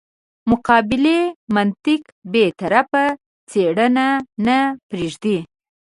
مقابلې منطق بې طرفه څېړنه نه پرېږدي.